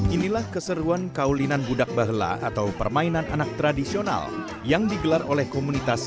inilah keseruan kaulinan budak bahla atau permainan anak tradisional yang digelar oleh komunitas